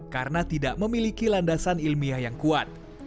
karena tidak memiliki landasan ilmiah yang kuat